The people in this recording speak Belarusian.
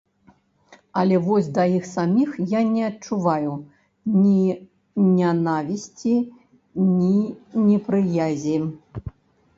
Але вось да іх саміх я не адчуваю ні нянавісці, ні непрыязі.